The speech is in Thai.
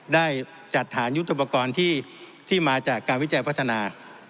ได้จัดฐานยุทธุปกรณ์ที่มาจากการวิจัยพัฒนา